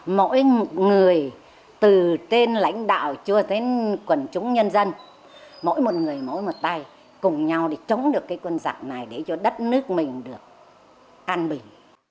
mỗi người từ tên lãnh đạo cho đến quần chúng nhân dân mỗi một người mỗi một tay cùng nhau để chống được cái quân giặc này để cho đất nước mình được an bình